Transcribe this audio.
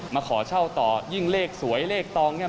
มาขอเช่าต่อยิ่งเลขสวยเลขตองเนี่ย